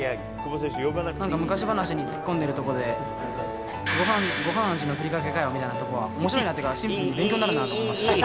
なんか、昔話にツッコんでるとこで、ごはんの味のふりかけかよみたいなとこは、おもしろいなっていうか、シンプルに勉強になるなって思いました。